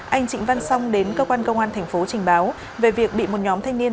anh trịnh văn song đến cơ quan công an thành phố trình báo về việc bị một nhóm thanh niên